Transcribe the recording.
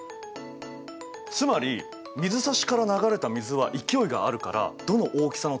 つまり水差しから流れた水は勢いがあるからどの大きさの粒も流す。